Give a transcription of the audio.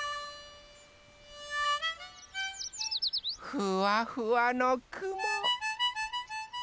ふわふわのくも。